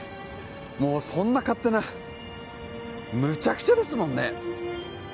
もうそんな勝手なムチャクチャですもんね